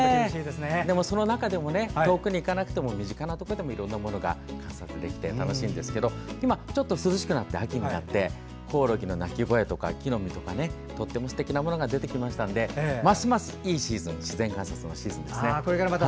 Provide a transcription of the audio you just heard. その中でも遠くに行かなくても身近なところでもいろいろなものが観察できて楽しいんですけど今、ちょっと涼しくなって秋に向かってコオロギの鳴き声とか木の実とか、とってもすてきなものが出てきましたのでますますいいシーズン自然観察のシーズンですね。